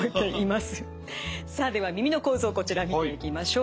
さあでは耳の構造こちら見ていきましょう。